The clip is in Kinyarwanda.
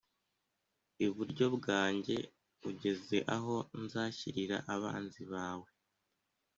iburyo bwanjye Ugeze aho nzashyirira abanzi bawe